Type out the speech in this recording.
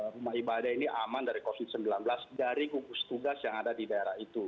rumah ibadah ini aman dari covid sembilan belas dari gugus tugas yang ada di daerah itu